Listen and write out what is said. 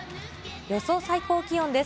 予想最高気温です。